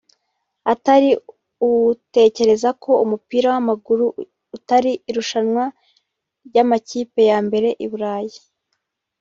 atari utekereza ko umupira w’amaguru atari irushanwa ry’amakipe ya mbere i Burayi